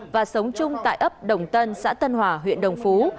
và sống chung tại ấp đồng tân xã tân hòa huyện đồng phú